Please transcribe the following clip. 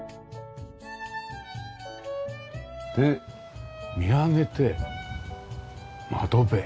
で見上げて窓辺。